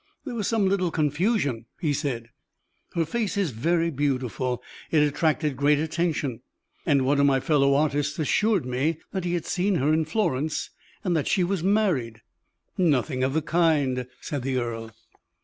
"There was some little confusion," he said. "Her face is very beautiful; it attracted great attention, and one of my fellow artists assured me that he had seen her in Florence, and that she was married." "Nothing of the kind!" said the earl.